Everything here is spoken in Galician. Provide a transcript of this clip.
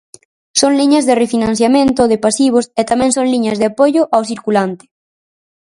Son liñas de refinanciamento de pasivos e tamén son liñas de apoio ao circulante.